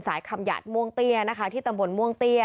สายขำหยัดม่วงเตียที่ตำบลม่วงเตีย